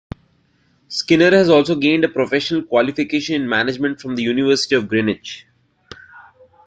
Skinner has also gained a professional qualification in Management from the University of Greenwich.